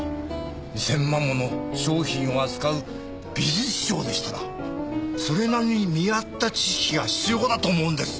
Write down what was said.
２０００万もの商品を扱う美術商でしたらそれなりに見合った知識が必要かなと思うんです。